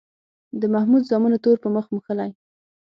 د محمود زامنو تور په مخ موښلی.